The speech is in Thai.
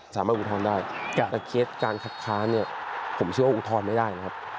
อุทธรณ์ได้แต่เคสการคัดค้านเนี่ยผมเชื่อว่าอุทธรณ์ไม่ได้นะครับ